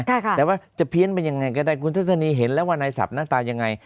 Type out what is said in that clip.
แต่ว่าจะเพี้ยนไปยังไงก็ได้คุณทัศนีเห็นแล้วว่านายศัพท์หน้าตายังไง